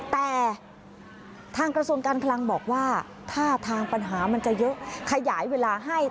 แต่ทางกระทรวงการคลังบอกว่าท่าทางปัญหามันจะเยอะขยายเวลาให้